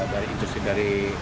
dari intusin dari